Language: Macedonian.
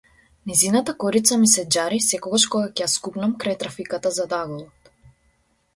Нејзината корица ми се џари секогаш кога ќе ја скубнам крај трафиката зад аголот.